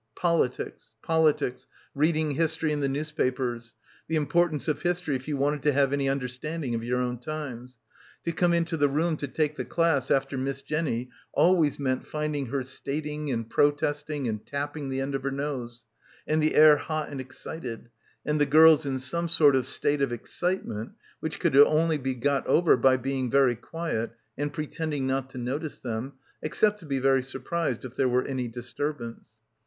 Politics, politics, reading his tory and the newspapers, the importance of his tory if you wanted to have any understanding of your own times. To come into the room to take the class after Miss Jenny always meant finding her stating and protesting and tapping the end of her nose, and the air hot and excited, and the girls in some sort of state of excitement which could only be got over by being very quiet and pre tending not to notice them except to be very sur prised if there were any disturbance.